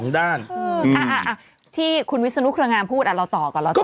ถ้าคุณวิสนุกรรมผู้ชายมันคุณลาวต่อก่อน